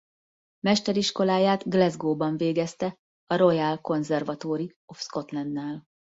Mesteriskoláját Glasgowban végezte a Royal Conservatoire of Scotlandnál.